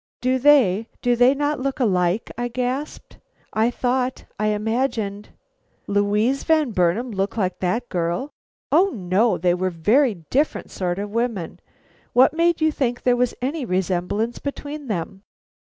"Do they do they not look alike?" I gasped. "I thought I imagined " "Louise Van Burnam look like that girl! O no, they were very different sort of women. What made you think there was any resemblance between them?"